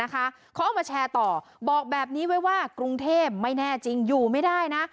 เขาเอามาแชร์ต่อบอกแบบนี้ไว้ว่ากรุงเทพไม่แน่จริงอยู่ไม่ได้นะ